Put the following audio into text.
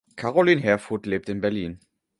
Karoline Herfurth lebt in Berlin.